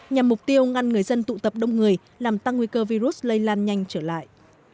nhằm mục tiêu ngăn người dân tụ tập đông người làm tăng nguy cơ virus lây lan nhanh trở lại